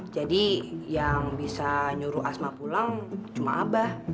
jadi yang bisa nyuruh asma pulang cuma abah